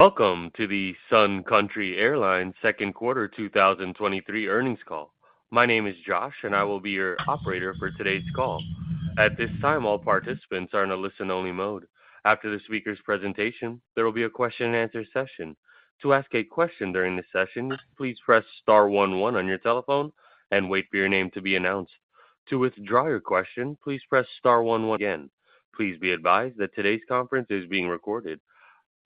Welcome to the Sun Country Airlines second quarter 2023 earnings call. My name is Josh, and I will be your operator for today's call. At this time, all participants are in a listen-only mode. After the speaker's presentation, there will be a question-and-answer session. To ask a question during this session, please press star one one on your telephone and wait for your name to be announced. To withdraw your question, please press star one one again. Please be advised that today's conference is being recorded.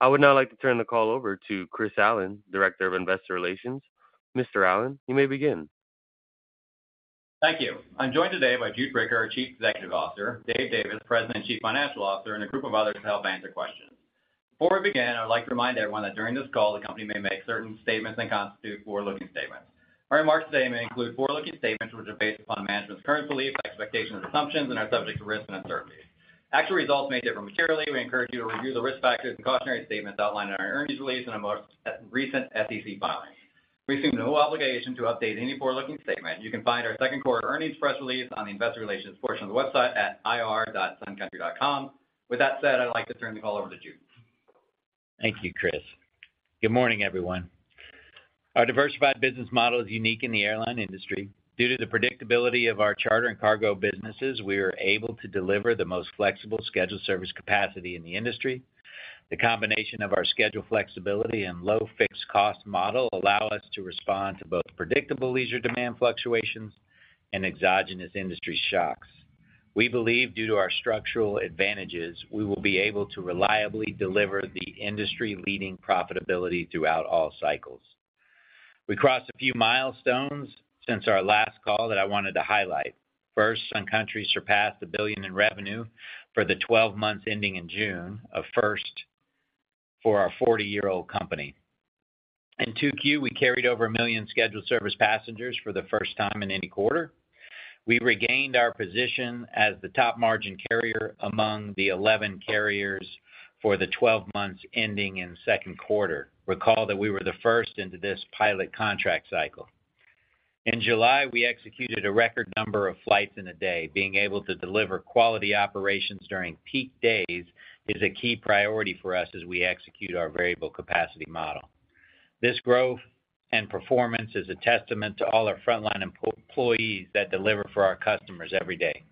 I would now like to turn the call over to Chris Allen, director of Investor Relations. Mr. Allen, you may begin. Thank you. I'm joined today by Jude Bricker, our Chief Executive Officer, Dave Davis, President and Chief Financial Officer, and a group of others to help answer questions. Before we begin, I'd like to remind everyone that during this call, the company may make certain statements that constitute forward-looking statements. Our remarks today may include forward-looking statements, which are based upon management's current beliefs, expectations, and assumptions and are subject to risks and uncertainties. Actual results may differ materially. We encourage you to review the risk factors and cautionary statements outlined in our earnings release and our most recent SEC filing. We assume no obligation to update any forward-looking statement. You can find our second quarter earnings press release on the investor relations portion of the website at ir.suncountry.com. With that said, I'd like to turn the call over to Jude. Thank you, Chris. Good morning, everyone. Our diversified business model is unique in the airline industry. Due to the predictability of our charter and cargo businesses, we are able to deliver the most flexible scheduled service capacity in the industry. The combination of our schedule flexibility and low fixed cost model allow us to respond to both predictable leisure demand fluctuations and exogenous industry shocks. We believe due to our structural advantages, we will be able to reliably deliver the industry-leading profitability throughout all cycles. We crossed a few milestones since our last call that I wanted to highlight. First, Sun Country surpassed $1 billion in revenue for the 12 months ending in June, a first for our 40-year-old company. In 2Q, we carried over 1 million scheduled service passengers for the first time in any quarter. We regained our position as the top margin carrier among the 11 carriers for the 12 months ending in the second quarter. Recall that we were the first into this pilot contract cycle. In July, we executed a record number of flights in a day. Being able to deliver quality operations during peak days is a key priority for us as we execute our variable capacity model. This growth and performance is a testament to all our frontline employees that deliver for our customers every day.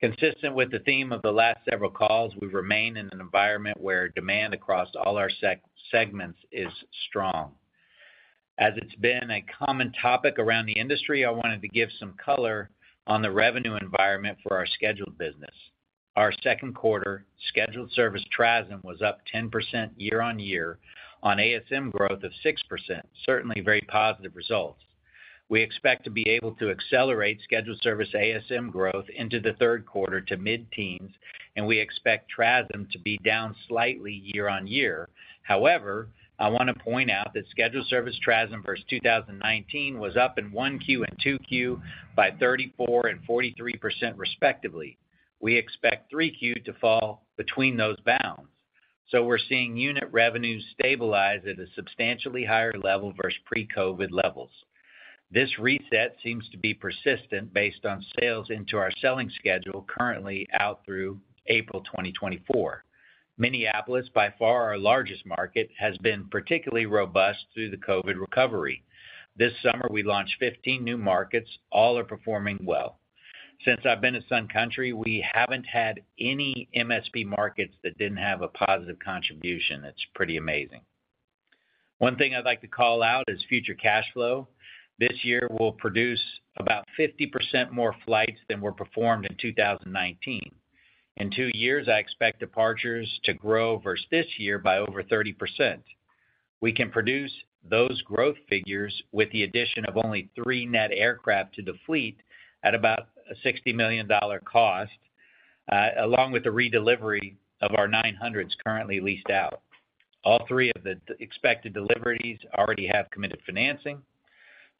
Consistent with the theme of the last several calls, we've remained in an environment where demand across all our segments is strong. As it's been a common topic around the industry, I wanted to give some color on the revenue environment for our scheduled business. Our second quarter scheduled service TRASM was up 10% year-on-year on ASM growth of 6%. Certainly, very positive results. We expect to be able to accelerate scheduled service ASM growth into the third quarter to mid-teens, and we expect TRASM to be down slightly year-over-year. However, I want to point out that scheduled service TRASM versus 2019 was up in 1Q and 2Q by 34% and 43%, respectively. We expect 3Q to fall between those bounds. We're seeing unit revenues stabilize at a substantially higher level versus pre-COVID levels. This reset seems to be persistent based on sales into our selling schedule currently out through April 2024. Minneapolis, by far our largest market, has been particularly robust through the COVID recovery. This summer, we launched 15 new markets. All are performing well. Since I've been at Sun Country, we haven't had any MSP markets that didn't have a positive contribution. It's pretty amazing. One thing I'd like to call out is future cash flow. This year, we'll produce about 50% more flights than were performed in 2019. In two years, I expect departures to grow versus this year by over 30%. We can produce those growth figures with the addition of only three net aircraft to the fleet at about a $60 million cost, along with the redelivery of our 900s, currently leased out. All three of the expected deliveries already have committed financing,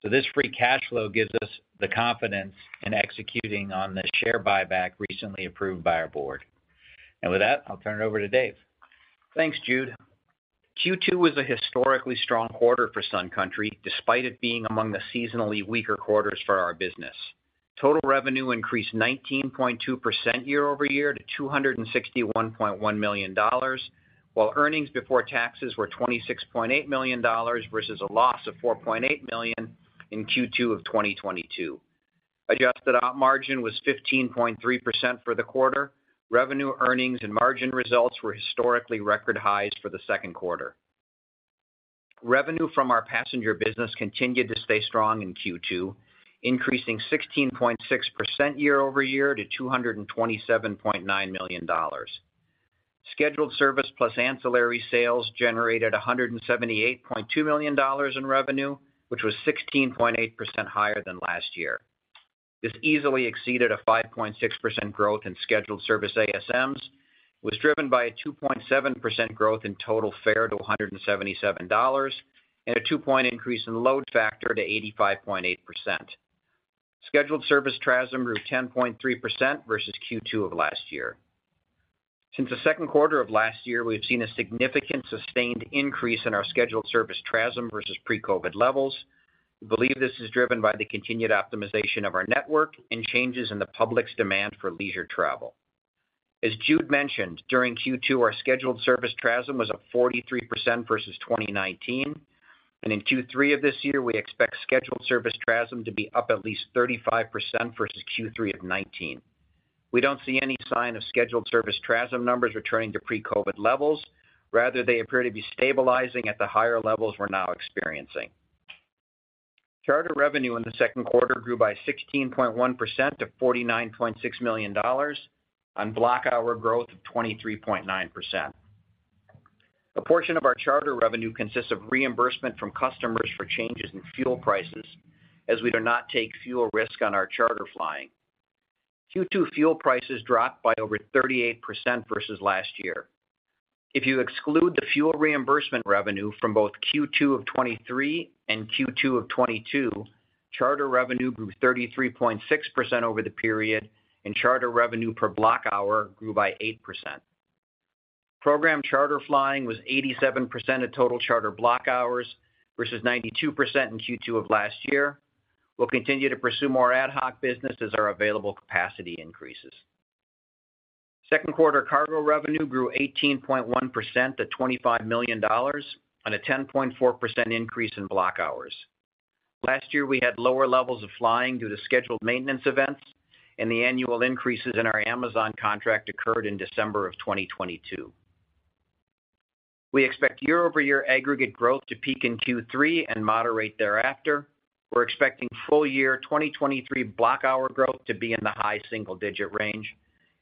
this free cash flow gives us the confidence in executing on the share buyback recently approved by our board. With that, I'll turn it over to Dave. Thanks, Jude. Q2 was a historically strong quarter for Sun Country, despite it being among the seasonally weaker quarters for our business. Total revenue increased 19.2% year-over-year to $261.1 million, while earnings before taxes were $26.8 million versus a loss of $4.8 million in Q2 of 2022. Adjusted op margin was 15.3% for the quarter. Revenue, earnings, and margin results were historically record highs for the second quarter. Revenue from our passenger business continued to stay strong in Q2, increasing 16.6% year-over-year to $227.9 million. Scheduled service plus ancillary sales generated $178.2 million in revenue, which was 16.8% higher than last year. This easily exceeded a 5.6% growth in scheduled service ASMs, was driven by a 2.7% growth in total fare to $177, and a 2-point increase in load factor to 85.8%. Scheduled service TRASM grew 10.3% versus Q2 of last year. Since the second quarter of last year, we've seen a significant sustained increase in our scheduled service TRASM versus pre-COVID levels. We believe this is driven by the continued optimization of our network and changes in the public's demand for leisure travel. As Jude mentioned, during Q2, our scheduled service TRASM was up 43% versus 2019, and in Q3 of this year, we expect scheduled service TRASM to be up at least 35% versus Q3 of 2019. We don't see any sign of scheduled service TRASM numbers returning to pre-COVID levels, rather they appear to be stabilizing at the higher levels we're now experiencing. Charter revenue in the second quarter grew by 16.1% to $49.6 million on block hour growth of 23.9%. A portion of our charter revenue consists of reimbursement from customers for changes in fuel prices, as we do not take fuel risk on our charter flying. Q2 fuel prices dropped by over 38% versus last year. If you exclude the fuel reimbursement revenue from both Q2 of 2023 and Q2 of 2022, charter revenue grew 33.6% over the period, and charter revenue per block hour grew by 8%. Program charter flying was 87% of total charter block hours, versus 92% in Q2 of last year. We'll continue to pursue more ad hoc business as our available capacity increases. Second quarter cargo revenue grew 18.1% to $25 million on a 10.4% increase in block hours. Last year, we had lower levels of flying due to scheduled maintenance events, and the annual increases in our Amazon contract occurred in December of 2022. We expect year-over-year aggregate growth to peak in Q3 and moderate thereafter. We're expecting full year 2023 block hour growth to be in the high single-digit range.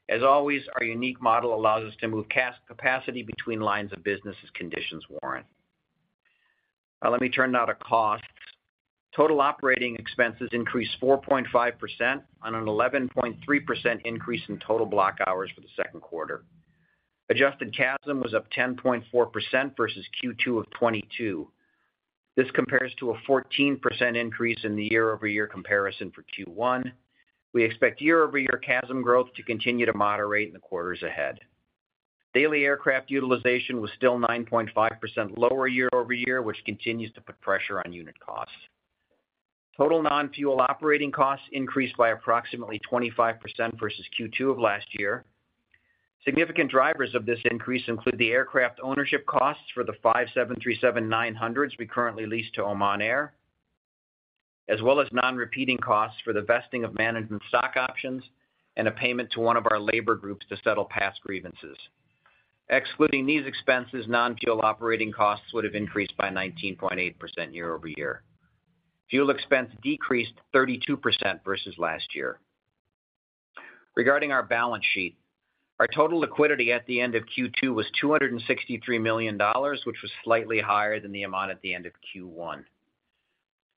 As always, our unique model allows us to move capacity between lines of business as conditions warrant. Now, let me turn now to costs. Total operating expenses increased 4.5% on an 11.3% increase in total block hours for the second quarter. Adjusted CASM was up 10.4% versus Q2 of 2022. This compares to a 14% increase in the year-over-year comparison for Q1. We expect year-over-year CASM growth to continue to moderate in the quarters ahead. Daily aircraft utilization was still 9.5% lower year-over-year, which continues to put pressure on unit costs. Total non-fuel operating costs increased by approximately 25% versus Q2 of last year. Significant drivers of this increase include the aircraft ownership costs for the five 737-900s we currently lease to Oman Air, as well as non-repeating costs for the vesting of management stock options and a payment to one of our labor groups to settle past grievances. Excluding these expenses, non-fuel operating costs would have increased by 19.8% year-over-year. Fuel expense decreased 32% versus last year. Regarding our balance sheet, our total liquidity at the end of Q2 was $263 million, which was slightly higher than the amount at the end of Q1.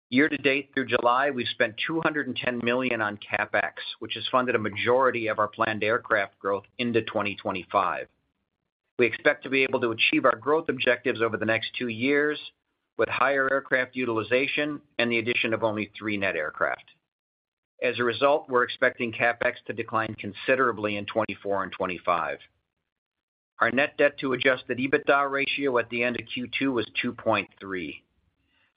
Year-to-date through July, we've spent $210 million on CapEx, which has funded a majority of our planned aircraft growth into 2025. We expect to be able to achieve our growth objectives over the next two years with higher aircraft utilization and the addition of only three net aircraft. As a result, we're expecting CapEx to decline considerably in 2024 and 2025. Our net debt to adjusted EBITDA ratio at the end of Q2 was 2.3.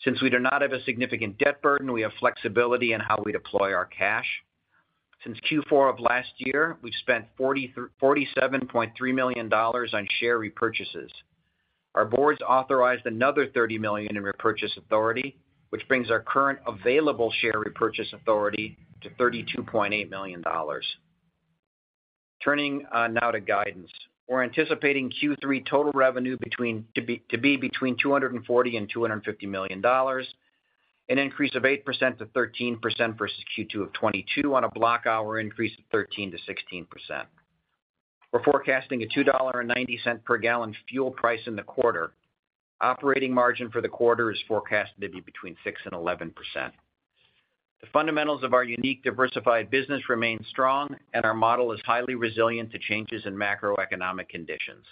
Since we do not have a significant debt burden, we have flexibility in how we deploy our cash. Since Q4 of last year, we've spent $47.3 million on share repurchases. Our boards authorized another $30 million in repurchase authority, which brings our current available share repurchase authority to $32.8 million. Turning now to guidance. We're anticipating Q3 total revenue to be between $240 million and $250 million, an increase of 8%-13% versus Q2 of 2022 on a block hour increase of 13%-16%. We're forecasting a $2.90 per gallon fuel price in the quarter. Operating margin for the quarter is forecast to be between 6% and 11%. The fundamentals of our unique diversified business remain strong, our model is highly resilient to changes in macroeconomic conditions.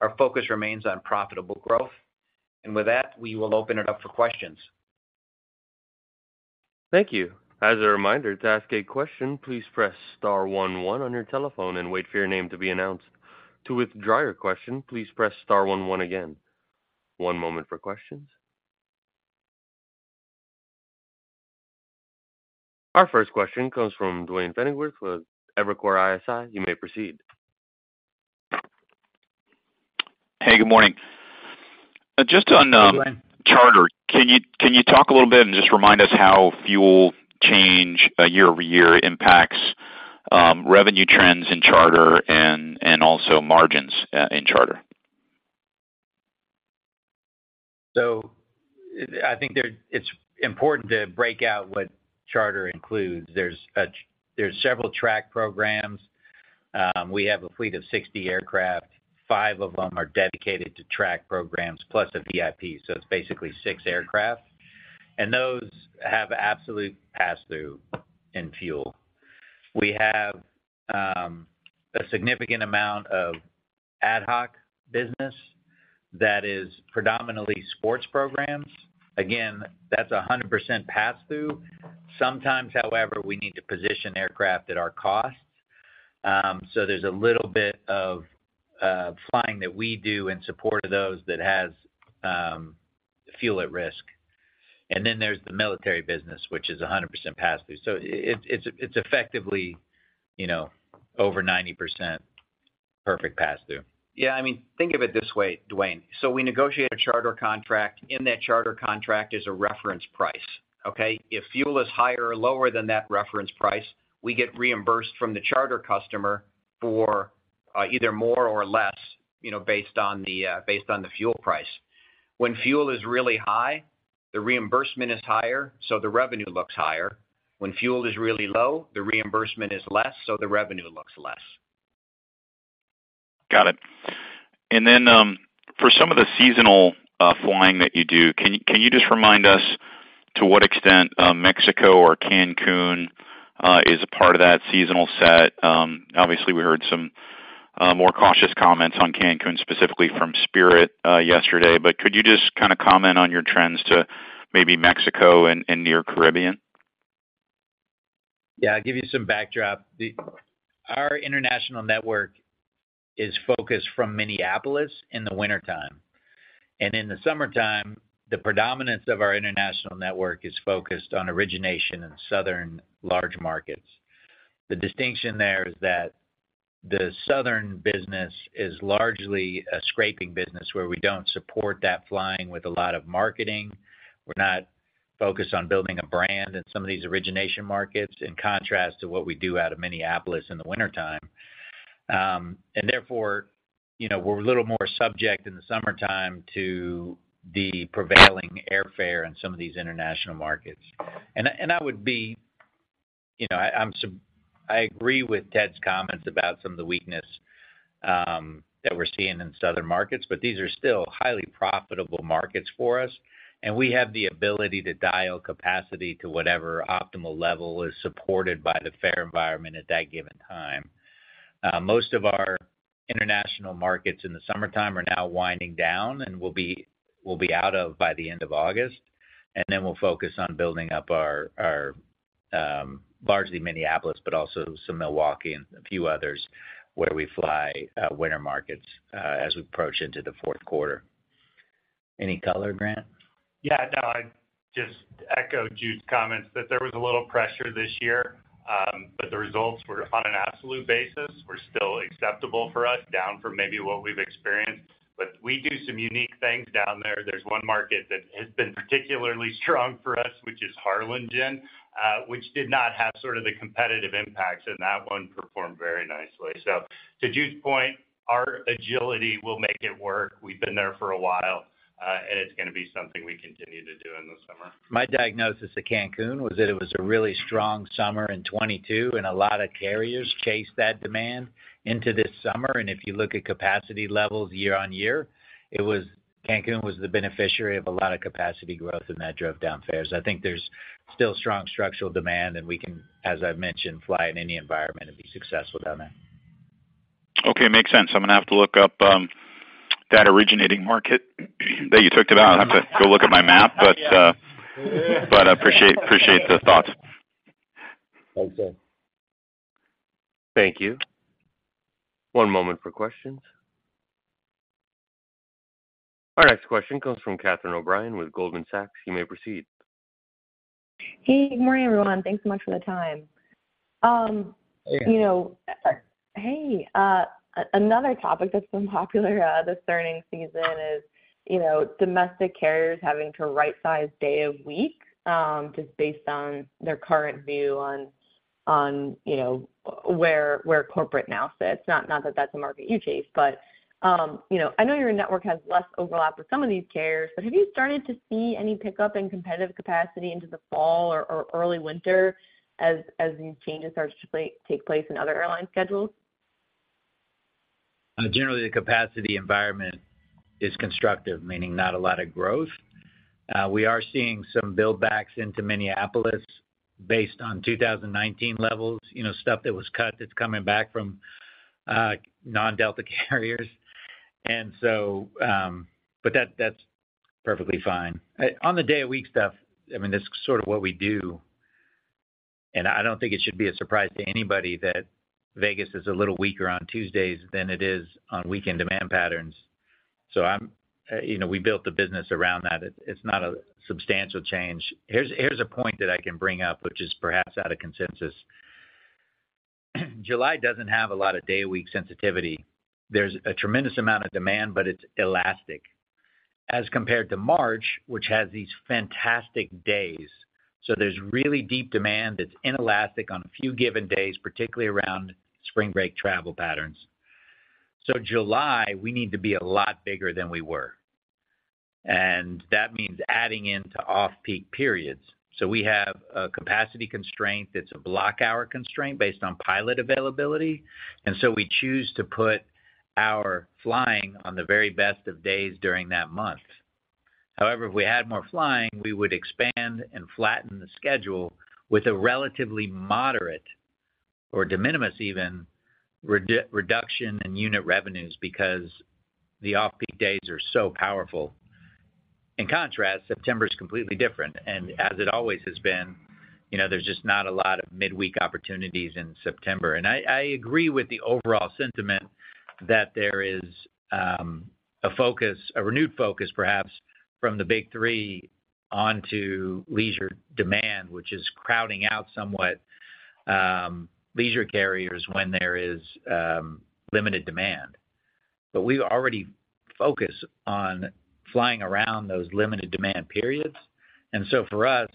Our focus remains on profitable growth, with that, we will open it up for questions. Thank you. As a reminder, to ask a question, please press star one one on your telephone and wait for your name to be announced. To withdraw your question, please press star one one again. One moment for questions. Our first question comes from Duane Pfennigwerth with Evercore ISI. You may proceed. Hey, good morning. Hey, Duane. Charter, can you, can you talk a little bit and just remind us how fuel change year-over-year impacts revenue trends in charter and also margins in charter? I think there-- it's important to break out what charter includes. There's several track programs. We have a fleet of 60 aircraft. Five of them are dedicated to track programs, plus a VIP, so it's basically six aircraft, and those have absolute pass-through in fuel. We have a significant amount of ad hoc business that is predominantly sports programs. Again, that's a 100% pass-through. Sometimes, however, we need to position aircraft at our cost, so there's a little bit of flying that we do in support of those that has fuel at risk. Then there's the military business, which is 100% pass-through. It's effectively, you know, over 90% perfect pass-through. Yeah, I mean, think of it this way, Duane. We negotiate a charter contract. In that charter contract is a reference price, okay? If fuel is higher or lower than that reference price, we get reimbursed from the charter customer for either more or less, you know, based on the based on the fuel price. When fuel is really high, the reimbursement is higher, so the revenue looks higher. When fuel is really low, the reimbursement is less, so the revenue looks less. Got it. Then, for some of the seasonal flying that you do, can, can you just remind us to what extent, Mexico or Cancun, is a part of that seasonal set? Obviously, we heard some more cautious comments on Cancun, specifically from Spirit, yesterday. Could you just kind of comment on your trends to maybe Mexico and, and near Caribbean? Yeah, I'll give you some backdrop. Our international network is focused from Minneapolis in the wintertime. In the summertime, the predominance of our international network is focused on origination in southern large markets. The distinction there is that the southern business is largely a scraping business, where we don't support that flying with a lot of marketing. We're not focused on building a brand in some of these origination markets, in contrast to what we do out of Minneapolis in the wintertime. Therefore, you know, we're a little more subject in the summertime to the prevailing airfare in some of these international markets. That would be... You know, I agree with Dave's comments about some of the weakness that we're seeing in southern markets, but these are still highly profitable markets for us, and we have the ability to dial capacity to whatever optimal level is supported by the fare environment at that given time. Most of our international markets in the summertime are now winding down and will be, will be out of by the end of August. Then we'll focus on building up our, our, largely Minneapolis, but also some Milwaukee and a few others where we fly, winter markets, as we approach into the fourth quarter. Any color, Grant? Yeah, no, I'd just echo Jude's comments, that there was a little pressure this year, but the results were, on an absolute basis, were still acceptable for us, down from maybe what we've experienced. We do some unique things down there. There's one market that has been particularly strong for us, which is Harlingen, which did not have sort of the competitive impacts, and that one performed very nicely. To Jude's point, our agility will make it work. We've been there for a while, and it's going to be something we continue to do in the summer. My diagnosis of Cancun was that it was a really strong summer in 2022, a lot of carriers chased that demand into this summer. If you look at capacity levels year-over-year, Cancun was the beneficiary of a lot of capacity growth, and that drove down fares. I think there's still strong structural demand, and we can, as I've mentioned, fly in any environment and be successful down there. Okay, makes sense. I'm going to have to look up that originating market that you talked about. I'll have to go look at my map. Yeah. Appreciate, appreciate the thoughts. Thanks, sir. Thank you. One moment for questions. Our next question comes from Catherine O'Brien with Goldman Sachs. You may proceed. Hey, good morning, everyone. Thanks so much for the time. Hey. You know, hey, another topic that's been popular this earnings season is, you know, domestic carriers having to rightsize day of week, just based on their current view on, you know, where corporate now sits. Not, not that that's a market you chase, but, I know your network has less overlap with some of these carriers, but have you started to see any pickup in competitive capacity into the fall or, or early winter as, as these changes start to take place in other airline schedules? Generally, the capacity environment is constructive, meaning not a lot of growth. We are seeing some build-backs into Minneapolis based on 2019 levels, you know, stuff that was cut that's coming back from non-Delta carriers. That, that's perfectly fine. On the day of week stuff, I mean, this is sort of what we do, and I don't think it should be a surprise to anybody that Vegas is a little weaker on Tuesdays than it is on weekend demand patterns. You know, we built the business around that. It, it's not a substantial change. Here's a point that I can bring up, which is perhaps out of consensus. July doesn't have a lot of day-week sensitivity. There's a tremendous amount of demand, but it's elastic, as compared to March, which has these fantastic days. There's really deep demand that's inelastic on a few given days, particularly around spring break travel patterns. July, we need to be a lot bigger than we were, and that means adding into off-peak periods. We have a capacity constraint that's a block-hour constraint based on pilot availability, and so we choose to put our flying on the very best of days during that month. However, if we had more flying, we would expand and flatten the schedule with a relatively moderate, or de minimis even, reduction in unit revenues, because the off-peak days are so powerful. In contrast, September is completely different, and as it always has been, you know, there's just not a lot of midweek opportunities in September. I agree with the overall sentiment that there is a focus, a renewed focus, perhaps, from the Big Three onto leisure demand, which is crowding out somewhat, leisure carriers when there is limited demand. We already focus on flying around those limited demand periods, and so for us,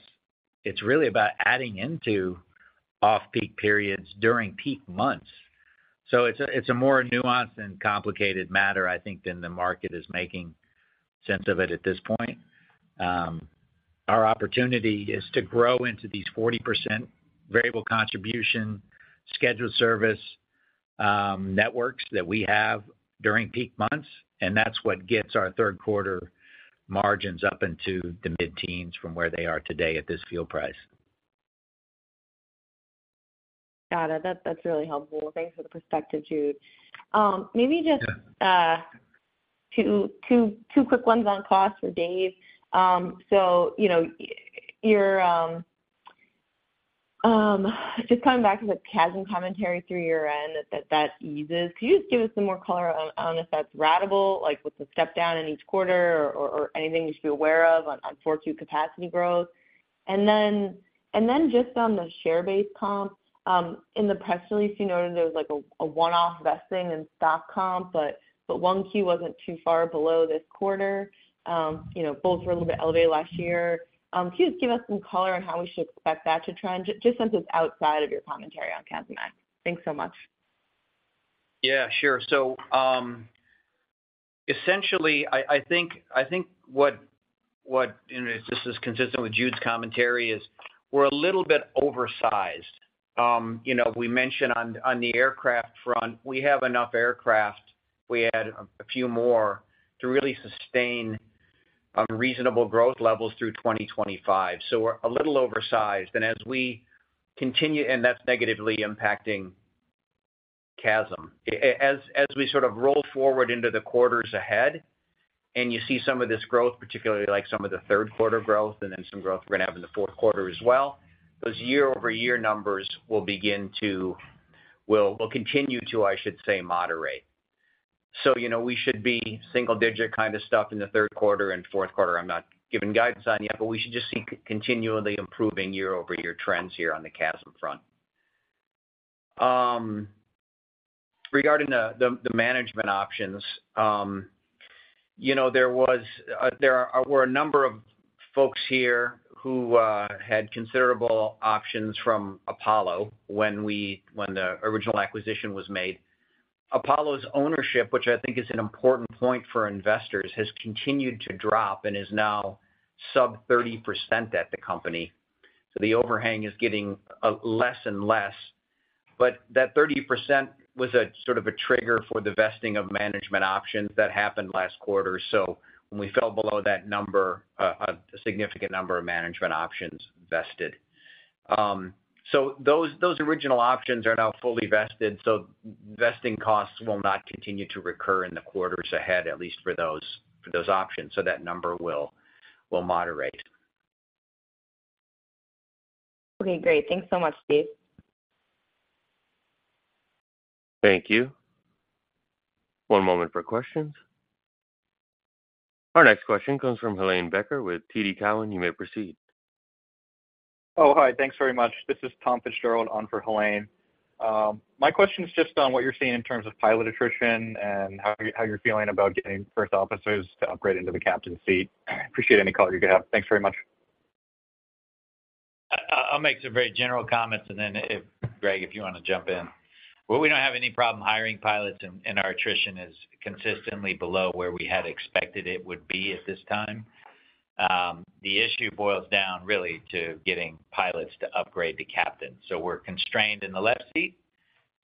it's really about adding into off-peak periods during peak months. It's a, it's a more nuanced and complicated matter, I think, than the market is making sense of it at this point. Our opportunity is to grow into these 40% variable contribution scheduled service networks that we have during peak months, and that's what gets our third quarter margins up into the mid-teens from where they are today at this fuel price. Got it. That, that's really helpful. Thanks for the perspective, Jude. maybe just- Yeah. Two quick ones on cost for Dave. You know, your just coming back to the CASM commentary through your end, that, that eases. Can you just give us some more color on, on if that's ratable, like, with the step down in each quarter or, anything we should be aware of on 4Q capacity growth? Just on the share-based comps, in the press release, you noted there was, like, a one-off vesting in stock comp, but 1Q wasn't too far below this quarter. You know, both were a little bit elevated last year. Can you just give us some color on how we should expect that to trend, just, just since it's outside of your commentary on CASM, thanks so much. Yeah, sure. Essentially, I think this is consistent with Jude's commentary, is we're a little bit oversized. You know, we mentioned on, on the aircraft front, we have enough aircraft. We add a few more to really sustain reasonable growth levels through 2025. We're a little oversized. As we continue, and that's negatively impacting CASM. As we sort of roll forward into the quarters ahead, and you see some of this growth, particularly like some of the third quarter growth and then some growth we're going to have in the fourth quarter as well, those year-over-year numbers will continue to, I should say, moderate. You know, we should be single digit kind of stuff in the third quarter and fourth quarter. I'm not giving guidance on yet, but we should just see continually improving year-over-year trends here on the CASM front. Regarding the management options, you know, there were a number of folks here who had considerable options from Apollo when the original acquisition was made. Apollo's ownership, which I think is an important point for investors, has continued to drop and is now sub 30% at the company. The overhang is getting less and less. That 30% was a sort of a trigger for the vesting of management options that happened last quarter. When we fell below that number, a significant number of management options vested. Those original options are now fully vested, so vesting costs will not continue to recur in the quarters ahead, at least for those, for those options. That number will moderate. Okay, great. Thanks so much, Dave. Thank you. One moment for questions. Our next question comes from Helane Becker with TD Cowen. You may proceed. Oh, hi, thanks very much. This is Tom Fitzgerald on for Helane. My question is just on what you're seeing in terms of pilot attrition and how you're, how you're feeling about getting first officers to upgrade into the captain seat. I appreciate any color you can have. Thanks very much. I'll make some very general comments, and then if, Greg, if you want to jump in. Well, we don't have any problem hiring pilots, and our attrition is consistently below where we had expected it would be at this time. The issue boils down really to getting pilots to upgrade to captain. We're constrained in the left seat,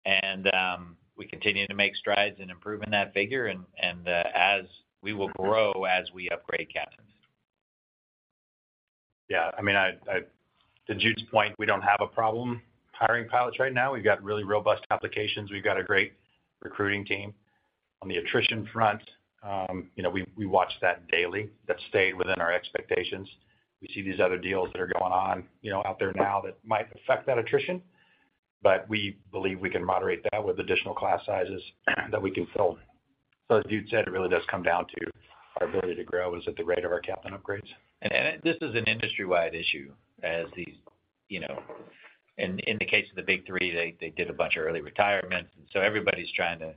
and we continue to make strides in improving that figure, and as we will grow, as we upgrade captains. Yeah, I mean, to Jude's point, we don't have a problem hiring pilots right now. We've got really robust applications. We've got a great recruiting team. On the attrition front, you know, we watch that daily. That's stayed within our expectations. We see these other deals that are going on, you know, out there now that might affect that attrition, but we believe we can moderate that with additional class sizes that we can fill. As Jude said, it really does come down to our ability to grow is at the rate of our captain upgrades. This is an industry-wide issue, as these, you know, in the case of the Big Three, they did a bunch of early retirements, and so everybody's trying to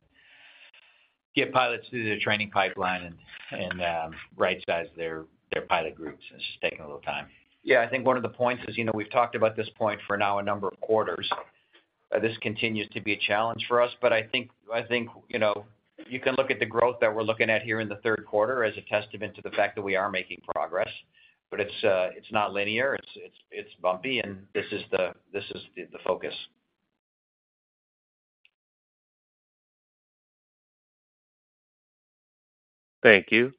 get pilots through their training pipeline and rightsize their pilot groups. It's taking a little time. Yeah, I think one of the points is, you know, we've talked about this point for now a number of quarters. This continues to be a challenge for us, but I think, you know, you can look at the growth that we're looking at here in the third quarter as a testament to the fact that we are making progress. It's not linear, it's bumpy, and this is the focus. Thank you.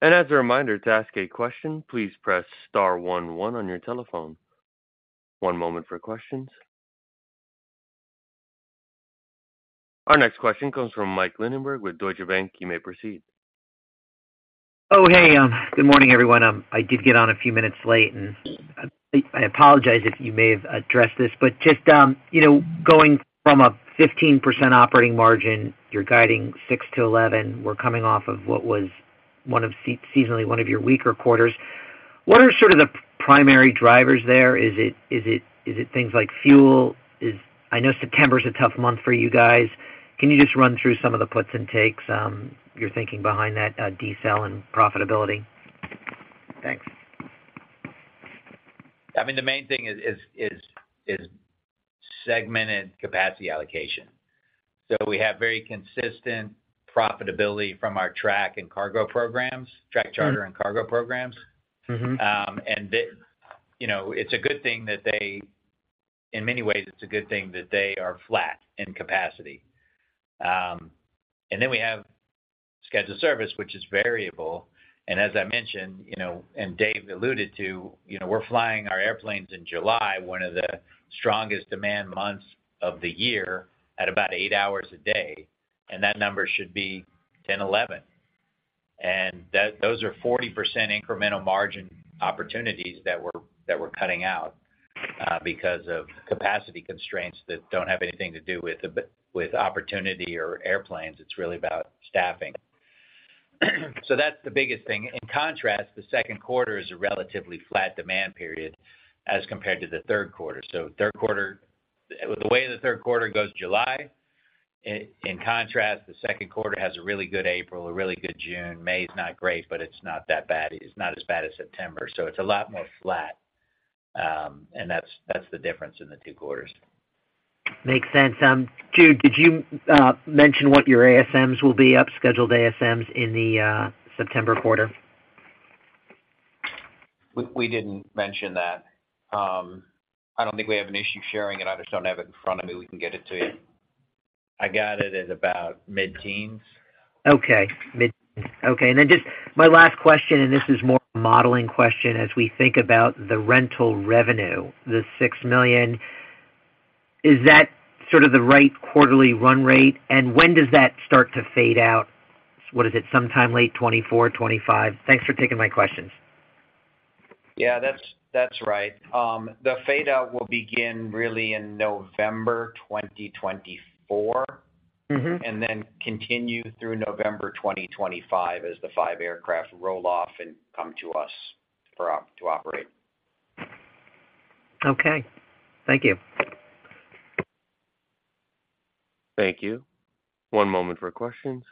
As a reminder, to ask a question, please press star one, one on your telephone. One moment for questions. Our next question comes from Mike Linenberg with Deutsche Bank. You may proceed. Oh, hey, good morning, everyone. I did get on a few minutes late, and I, I apologize if you may have addressed this, but just, you know, going from a 15% operating margin, you're guiding 6%-11%. We're coming off of what was one of seasonally, one of your weaker quarters. What are sort of the primary drivers there? Is it things like fuel? I know September is a tough month for you guys. Can you just run through some of the puts and takes, your thinking behind that, decel and profitability? Thanks. I mean, the main thing is segmented capacity allocation. We have very consistent profitability from our track and cargo programs, track, charter, and cargo programs. Mm-hmm. Then, you know, it's a good thing in many ways, it's a good thing that they are flat in capacity. Then we have scheduled service, which is variable, and as I mentioned, you know, and Dave alluded to, you know, we're flying our airplanes in July, one of the strongest demand months of the year, at about eight hours a day, and that number should be 10, 11. Those are 40% incremental margin opportunities that we're, that we're cutting out because of capacity constraints that don't have anything to do with the opportunity or airplanes. It's really about staffing. That's the biggest thing. In contrast, the second quarter is a relatively flat demand period as compared to the third quarter. Third quarter, with the way the third quarter goes, July, in contrast, the second quarter has a really good April, a really good June. May is not great, but it's not that bad. It's not as bad as September, so it's a lot more flat. And that's the difference in the two quarters. Makes sense. Jude, did you mention what your ASMs will be up, scheduled ASMs in the September quarter? We didn't mention that. I don't think we have an issue sharing it. I just don't have it in front of me. We can get it to you. I got it at about mid-teens. Okay, just my last question, and this is more a modeling question. As we think about the rental revenue, the $6 million, is that sort of the right quarterly run rate? When does that start to fade out? What is it, sometime late 2024, 2025? Thanks for taking my questions. Yeah, that's right. The fadeout will begin really in November 2024. Mm-hmm. And then continue through November 2025 as the five aircraft roll off and come to us to operate. Okay, thank you. Thank you. One moment for questions.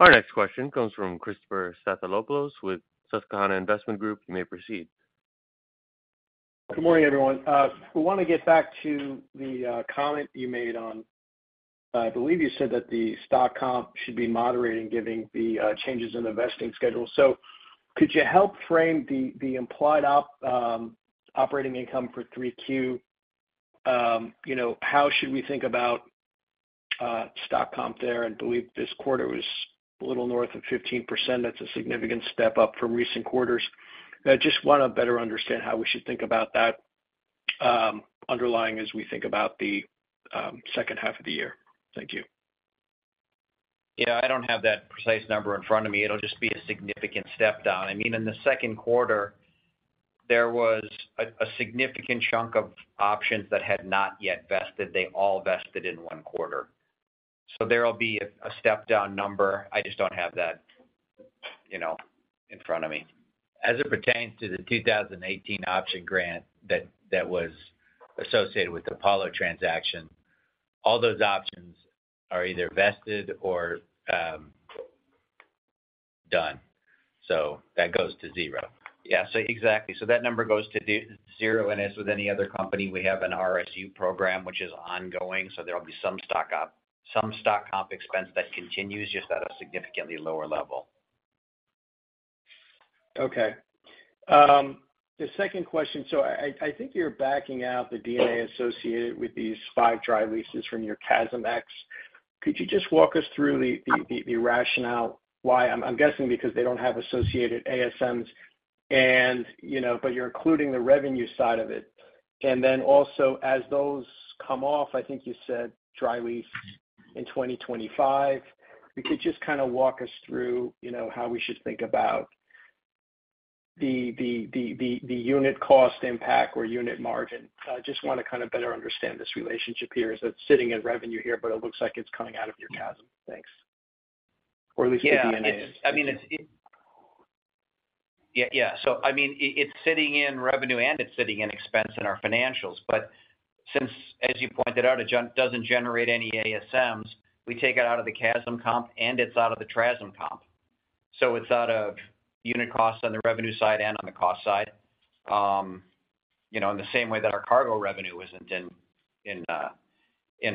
Our next question comes from Christopher Stathoulopoulos with Susquehanna International Group. You may proceed. Good morning, everyone. We want to get back to the comment you made on, I believe you said that the stock comp should be moderating, giving the changes in the vesting schedule. Could you help frame the implied op operating income for 3Q? You know, how should we think about stock comp there? I believe this quarter was a little north of 15%. That's a significant step up from recent quarters. I just want to better understand how we should think about that underlying as we think about the second half of the year. Thank you. Yeah, I don't have that precise number in front of me. It'll just be a significant step down. I mean, in the second quarter, there was a significant chunk of options that had not yet vested. They all vested in one quarter, so there will be a step-down number. I just don't have that, you know, in front of me. As it pertains to the 2018 option grant that was associated with the Apollo transaction, all those options are either vested or done. So that goes to zero. Yeah. So exactly. So that number goes to zero, and as with any other company, we have an RSU program, which is ongoing. So there will be some stock comp expense that continues, just at a significantly lower level. Okay. The second question, so I, I think you're backing out the D&A associated with these five dry leases from your CASMx. Could you just walk us through the rationale why? I'm guessing because they don't have associated ASMs and, you know, but you're including the revenue side of it. Then also, as those come off, I think you said dry lease in 2025, if you could just kind of walk us through, you know, how we should think about the unit cost impact or unit margin. I just want to kind of better understand this relationship here as it's sitting in revenue here, but it looks like it's coming out of your CASM. Thanks. Or at least the D&A. Yeah. I mean, it's sitting in revenue, and it's sitting in expense in our financials, but since, as you pointed out, it doesn't generate any ASMs, we take it out of the CASM comp, and it's out of the TRASM comp. It's out of unit costs on the revenue side and on the cost side. You know, in the same way that our cargo revenue isn't in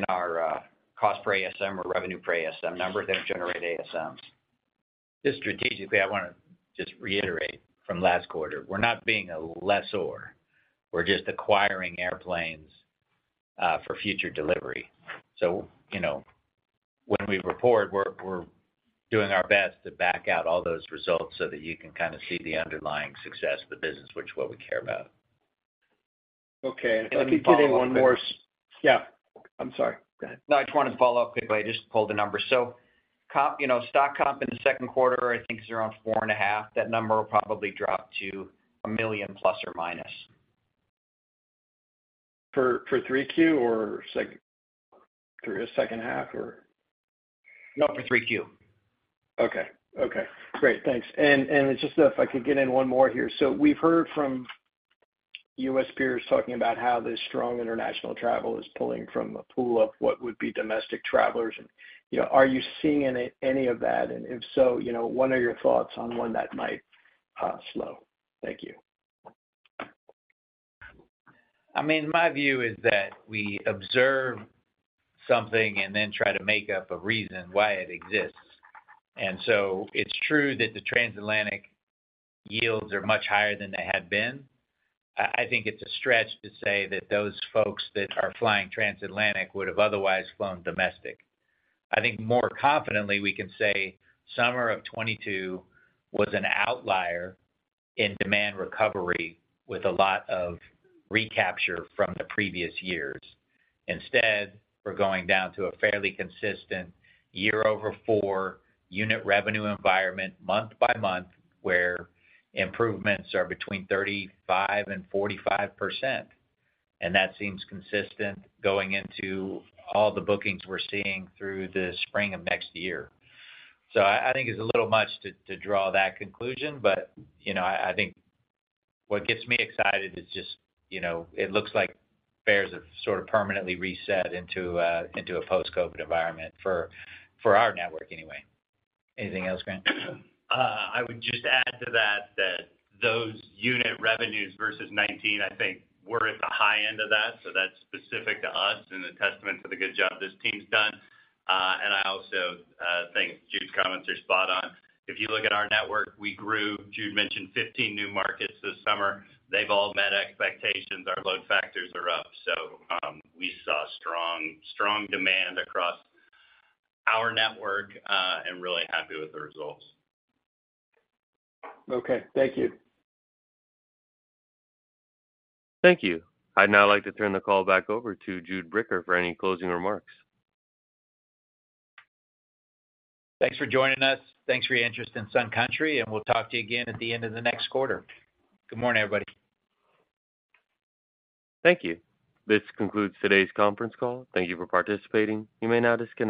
our cost per ASM or revenue per ASM number, they don't generate ASMs. Just strategically, I want to just reiterate from last quarter, we're not being a lessor. We're just acquiring airplanes for future delivery. You know, when we report, we're, we're doing our best to back out all those results so that you can kind of see the underlying success of the business, which is what we care about. Okay, let me get in one more- Yeah. I'm sorry. Go ahead. No, I just wanted to follow up quickly. I just pulled the numbers. Comp, you know, stock comp in the second quarter, I think, is around $4.5 million. That number will probably drop to $1 million ±. For 3Q or through the second half, or? No, for 3Q. Okay, great. Thanks. It's just if I could get in one more here. We've heard from U.S. peers talking about how this strong international travel is pulling from a pool of what would be domestic travelers, and, you know, are you seeing any of that? If so, you know, what are your thoughts on when that might slow? Thank you. I mean, my view is that we observe something and then try to make up a reason why it exists. So it's true that the transatlantic yields are much higher than they had been. I think it's a stretch to say that those folks that are flying transatlantic would have otherwise flown domestic. I think more confidently, we can say summer of 2022 was an outlier in demand recovery, with a lot of recapture from the previous years. Instead, we're going down to a fairly consistent year over four unit revenue environment, month-by-month, where improvements are between 35% and 45%, and that seems consistent going into all the bookings we're seeing through the spring of next year. I think it's a little much to draw that conclusion, but, you know, I think what gets me excited is just, you know, it looks like fares have sort of permanently reset into a, into a post-COVID environment for, for our network anyway. Anything else, Grant? I would just add to that, that those unit revenues versus 2019, I think we're at the high end of that, so that's specific to us and a testament to the good job this team's done. And I also think Jude's comments are spot on. If you look at our network, we grew, Jude mentioned, 15 new markets this summer. They've all met expectations. Our load factors are up, so we saw strong, strong demand across our network, and really happy with the results. Okay, thank you. Thank you. I'd now like to turn the call back over to Jude Bricker for any closing remarks. Thanks for joining us. Thanks for your interest in Sun Country. We'll talk to you again at the end of the next quarter. Good morning, everybody. Thank you. This concludes today's conference call. Thank you for participating. You may now disconnect.